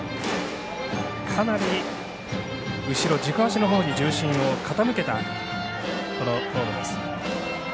かなり後ろ軸足のほうに重心を傾けたフォームです。